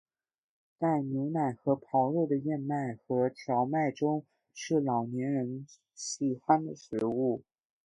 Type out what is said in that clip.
带牛奶和狍肉的燕麦和荞麦粥是老年人喜欢的食物。